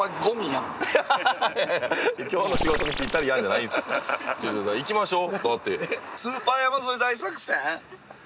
「今日の仕事にピッタリやん」じゃないんですよ。行きましょう。